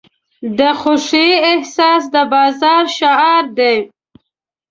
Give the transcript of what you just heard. د خوښۍ احساس د بازار شعار دی.